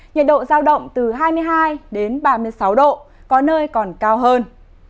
nhiệt độ giao động từ hai mươi hai đến ba mươi sáu độ có nơi còn cao hơn